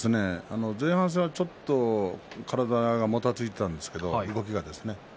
前半戦はちょっと体がもたついていたんですけど動きがですね